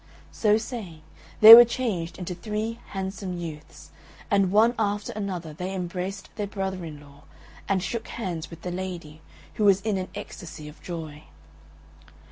So saying, they were changed into three handsome youths, and one after another they embraced their brother in law, and shook hands with the lady, who was in an ecstasy of joy.